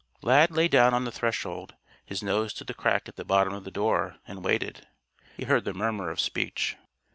Lad lay down on the threshold, his nose to the crack at the bottom of the door, and waited. He heard the murmur of speech.